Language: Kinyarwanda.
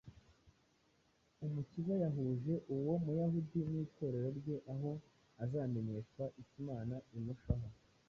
Umukiza yahuje uwo Muyahudi n’Itorero rye aho azamenyeshwa icyo Imana imushaho.